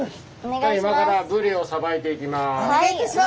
今からブリをさばいていきます。